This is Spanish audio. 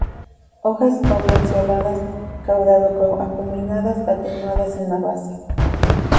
Hojas oblanceoladas, caudado-acuminadas, atenuadas en la base.